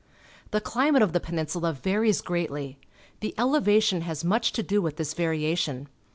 The climate of the Peninsula varies greatly. The elevation has much to do with this ^ ariation.